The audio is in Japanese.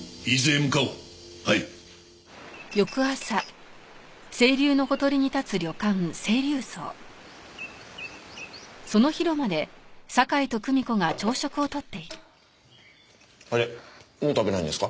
もう食べないんですか？